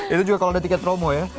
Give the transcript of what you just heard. itu juga kalau ada tiket promo ya